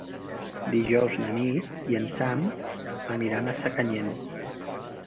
Dijous na Nit i en Sam aniran a Sacanyet.